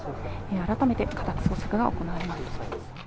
改めて家宅捜索が行われます。